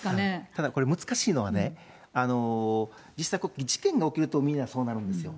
ただこれ、難しいのは、実際、事件が起きるとみんな、そうなるんですよ。